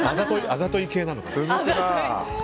あざとい系なのかな。